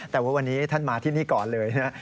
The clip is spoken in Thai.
แต่ว่าวันนี้ท่านมาที่นี่ก่อนเลยนะครับ